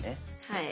はい。